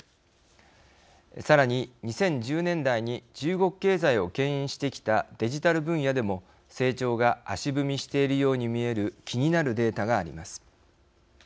さらに２０１０年代に中国経済をけん引してきたデジタル分野でも成長が足踏みしているように見える気になるデータがあります。